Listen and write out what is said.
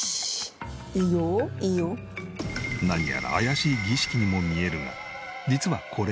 何やら怪しい儀式にも見えるが実はこれ。